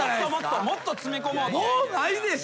もうないでしょ。